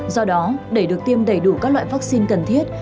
do đó để được tiêm đầy đủ các loại vaccine cần thiết